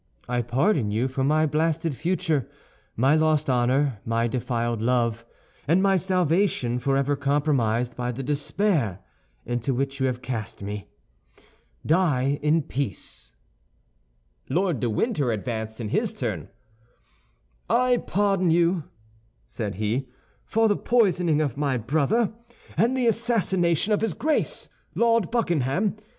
I pardon you for my blasted future, my lost honor, my defiled love, and my salvation forever compromised by the despair into which you have cast me. Die in peace!" Lord de Winter advanced in his turn. "I pardon you," said he, "for the poisoning of my brother, and the assassination of his Grace, Lord Buckingham.